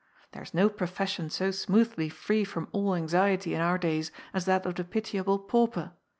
There is no profession so smoothly free from all anxiety in our days as that of the pitiable pauper.